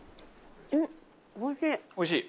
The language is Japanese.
おいしい？